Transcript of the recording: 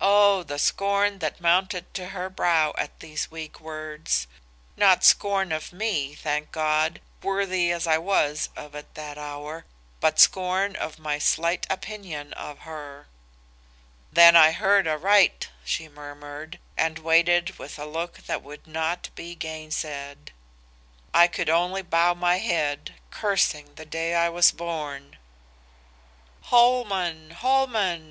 "O the scorn that mounted to her brow at these weak words. Not scorn of me, thank God, worthy as I was of it that hour, but scorn of my slight opinion of her. "'Then I heard aright,' she murmured, and waited with a look that would not be gainsaid. "I could only bow my head, cursing the day I was born. "'Holman! Holman!